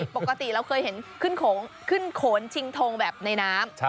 ปกติเราเคยเห็นขึ้นโขนชิงทงแบบในน้ำ